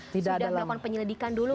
sudah melakukan penyelidikan dulu